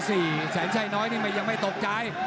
แสนชัยน้อยนี่ยังไม่ตกใจ